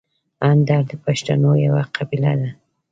اندړ د پښتنو یوه قبیله ده.